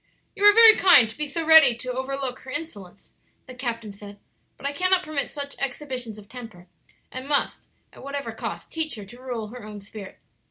"You are very kind to be so ready to over look her insolence," the captain said; "but I cannot permit such exhibitions of temper, and must, at whatever cost, teach her to rule her own spirit."